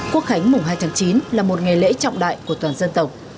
quốc khánh mùng hai tháng chín là một ngày lễ trọng đại của toàn dân tộc